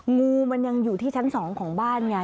งูมันยังอยู่ที่ชั้น๒ของบ้านไง